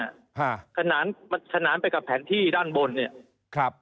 ฮะขนานมันขนานไปกับแผนที่ด้านบนเนี้ยครับ